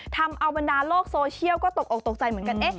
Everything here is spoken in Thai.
ทำเอาบรรดาโลกโซเชียลก็ตกออกตกใจเหมือนกัน